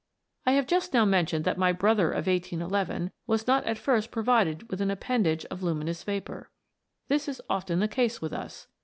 I have just now mentioned that my brother of 1811 was not at first provided with an appendage of luminous vapour. This is often the case with us.